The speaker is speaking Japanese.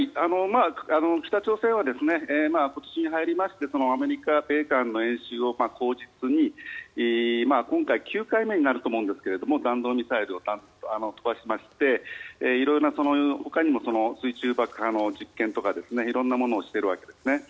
北朝鮮は今年に入りましてアメリカ、米韓の演習を口実に今回、９回目になると思うんですが弾道ミサイルを飛ばしまして色々なほかにも水中爆破の実験とか色んなものをしてるわけですね。